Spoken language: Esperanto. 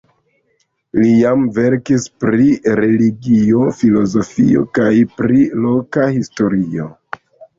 Li jam verkis pri religio, filozofio kaj pri loka historio.